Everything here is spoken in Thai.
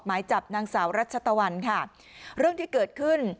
หมายจับนางสาวรัชตะวันค่ะเรื่องที่เกิดขึ้น